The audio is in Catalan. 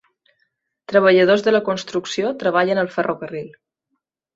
Treballadors de la construcció treballen al ferrocarril.